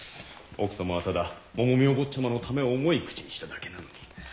奥さまはただ百美お坊ちゃまのためを思い口にしただけなのに。